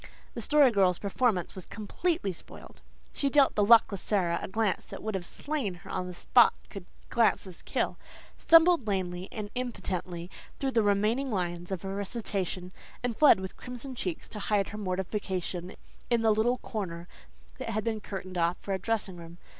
The Story Girl's performance was completely spoiled. She dealt the luckless Sara a glance that would have slain her on the spot could glances kill, stumbled lamely and impotently through the few remaining lines of her recitation, and fled with crimson cheeks to hide her mortification in the little corner that had been curtained off for a dressing room.